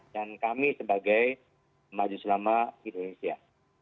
dan kami sebagai majelis selama indonesia